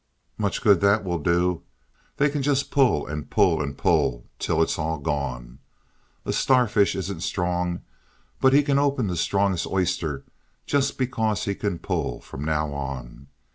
'" "Much good that will do they can just pull and pull and pull till it's all gone. A starfish isn't strong, but he can open the strongest oyster just because he can pull from now on.